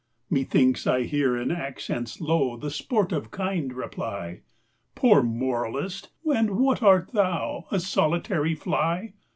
Methinks I hear in accents low, The sportive kind reply: Poor moralist! and what art thou? A solitary fly!